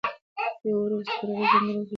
یوه وړه سپرغۍ ځنګل سوځوي.